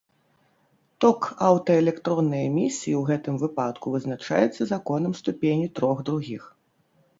Ток аўтаэлектроннай эмісіі ў гэтым выпадку вызначаецца законам ступені трох другіх.